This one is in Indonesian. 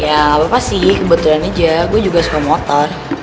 ya apa apa sih kebetulan aja gue juga suka motor